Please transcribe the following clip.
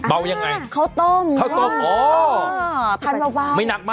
เบายังไง